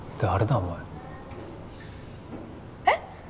お前えっ！？